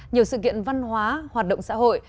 nhiều sự kiện văn hóa hoạt động xã hội